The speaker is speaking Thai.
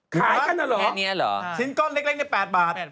ขายกันน่ะหรอแคทนี้หรอชิ้นก้อนเล็กใน๘บาท